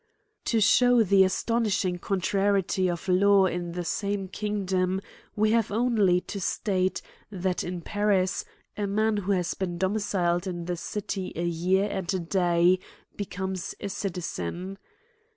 To shew the astonishing contrariety of law in the sanfie kingdom, we have only to state, that in Paris, a man who has been domiciled in the city a year and a day, becomes a citizen.